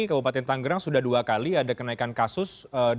kabupaten tanggerang sudah dua kali ada kenaikan kasus